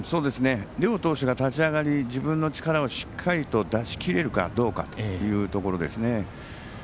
両投手が立ち上がり自分の力をしっかりと出しきれるかどうかというところですね。